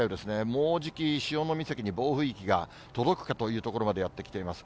もうじき、潮岬に暴風域が届くかというところまでやって来ています。